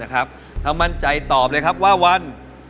ถ้ามันใจตอบว่าวัน